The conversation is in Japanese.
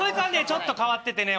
ちょっと変わっててね